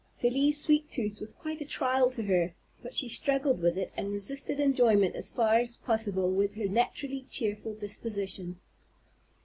Felie's sweet tooth was quite a trial to her; but she struggled with it, and resisted enjoyment as far as was possible with her naturally cheerful disposition.